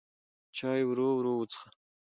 چای ورو ورو وڅښه.